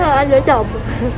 với hai vợ chồng